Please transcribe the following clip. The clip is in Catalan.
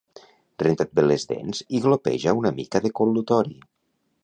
Renta't bé les dents i glopeja una mica de col·lutori